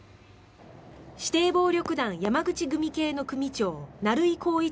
指定暴力団山口組系の組長成井宏一